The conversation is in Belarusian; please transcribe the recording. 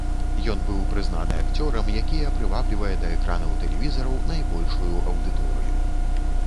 Ён быў прызнаны акцёрам, якія прываблівае да экранаў тэлевізараў найбольшую аўдыторыю.